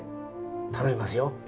頼みますよ